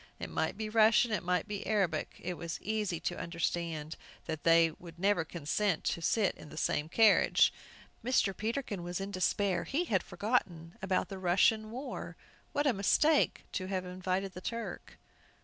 It might be Russian, it might be Arabic. It was easy to understand that they would never consent to sit in the same carriage. Mr. Peterkin was in despair; he had forgotten about the Russian war! What a mistake to have invited the Turk!